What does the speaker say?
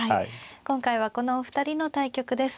今回はこのお二人の対局です。